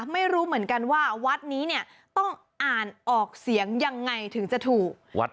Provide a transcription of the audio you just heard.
ไม่รู้เหมือนกันว่าวัดนี้เนี่ยต้องอ่านออกเสียงยังไงถึงจะถูก